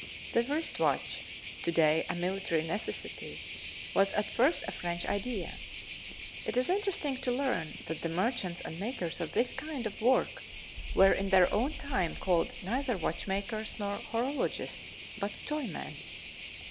The wrist watch, to day a military necessity, was at first a French idea. It is interesting to learn that the merchants and makers of this kind of work were in their own time called neither watchmakers nor horologists, but toymen.